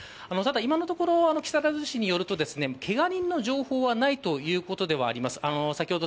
今のところ、木更津市によるとけが人の情報はないということではあります。